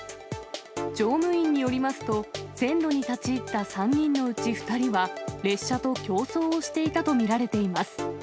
乗務員によりますと、線路に立ち入った３人のうち２人は、列車と競争をしていたと見られています。